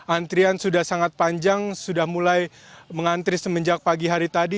antrian sudah sangat panjang sudah mulai mengantri semenjak pagi hari tadi